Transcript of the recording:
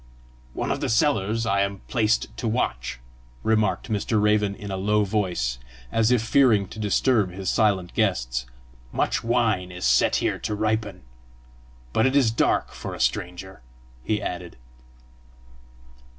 "One of the cellars I am placed to watch!" remarked Mr. Raven in a low voice, as if fearing to disturb his silent guests. "Much wine is set here to ripen! But it is dark for a stranger!" he added.